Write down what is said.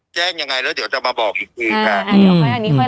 แจ้งยังไงแล้วเดี๋ยวจะมาบอกอีกทีค่ะอืมอันนี้ค่อย